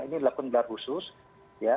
ini dilakukan gelar khusus ya